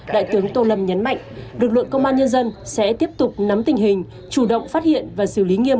đại tướng tô lâm nhấn mạnh lực lượng công an nhân dân sẽ tiếp tục nắm tình hình chủ động phát hiện và xử lý nghiêm